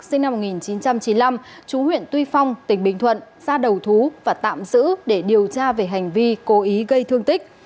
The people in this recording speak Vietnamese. sinh năm một nghìn chín trăm chín mươi năm chú huyện tuy phong tỉnh bình thuận ra đầu thú và tạm giữ để điều tra về hành vi cố ý gây thương tích